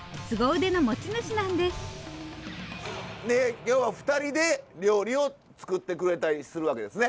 で今日は２人で料理を作ってくれたりするわけですね。